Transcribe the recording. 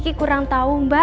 kiki tinggal dulu ya mbak ya